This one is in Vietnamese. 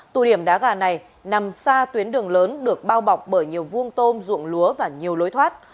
tụ điểm đá gà này nằm xa tuyến đường lớn được bao bọc bởi nhiều vuông tôm dụng lúa và nhiều lối thoát